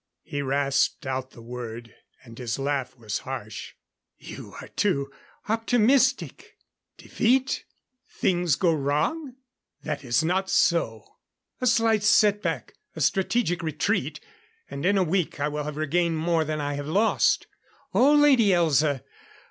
He rasped out the word, and his laugh was harsh. "You are too optimistic. Defeat? Things going wrong? That is not so. A slight set back. A strategic retreat and in a week I will have regained more than I have lost.... Oh, Lady Elza!